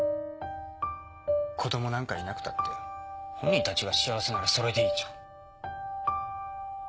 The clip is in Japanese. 子どもなんかいなくたって本人たちが幸せならそれでいいじゃん。